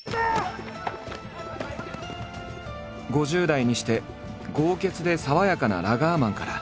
５０代にして豪傑で爽やかなラガーマンから